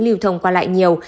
lưu thông qua lại nhiều